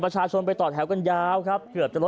ประชาชนไปต่อแถวกันยาวครับ